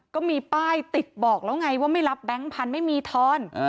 ก็มีป้ายติดบอกแล้วไงว่าไม่รับแบงค์พันธุ์ไม่มีทอน